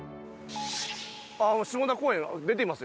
下田公園出てます